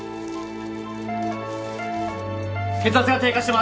血圧が低下してます。